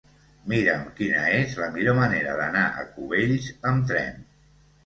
Mira'm quina és la millor manera d'anar a Cubells amb tren.